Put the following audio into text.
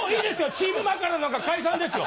チームマカロンなんか解散ですよ！